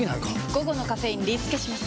午後のカフェインリスケします！